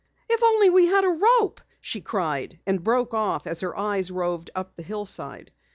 "If only we had a rope " she cried, and broke off as her eyes roved up the hillside.